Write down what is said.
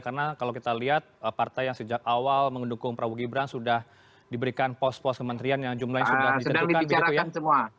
karena kalau kita lihat partai yang sejak awal mendukung prabowo gibran sudah diberikan pos pos kementerian yang jumlahnya sudah ditentukan